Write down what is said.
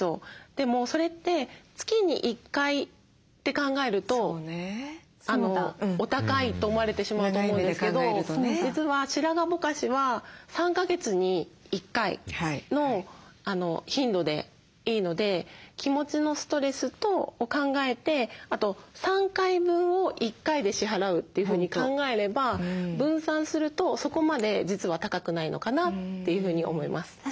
でもそれって月に１回って考えるとお高いと思われてしまうと思うんですけど実は白髪ぼかしは３か月に１回の頻度でいいので気持ちのストレスを考えてあと３回分を１回で支払うというふうに考えれば分散するとそこまで実は高くないのかなというふうに思います。